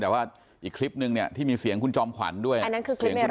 แต่ว่าอีกคลิปนึงเนี่ยที่มีเสียงคุณจอมขวัญด้วยอันนั้นคือเสียงคนนั้น